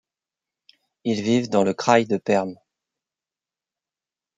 Ils vivent dans le Kraï de Perm.